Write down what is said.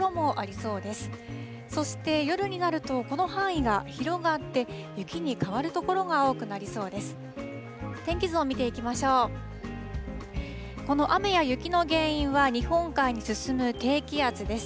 そして、夜になると、この範囲が広がって、雪に変わる所が多くなりそうです。